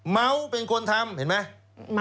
เมาส์เป็นคนทำเห็นไหม